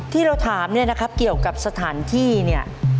ที่เราถามเนี่ยนะครับเกี่ยวกับสถานที่เนี่ย